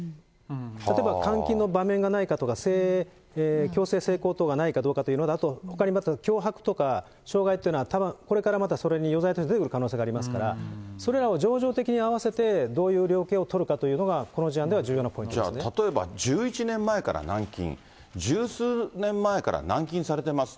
例えば監禁の場面がないかとか、強制性交等がないかどうかというのと、あと、脅迫とか、傷害というのは、たぶんこれからまた余罪として出てくる可能性がありますから、それらを情状的に合わせて、どういう量刑をとるかということがこの事案では重要なポイントで例えば、１１年前から軟禁、十数年前から軟禁されてます。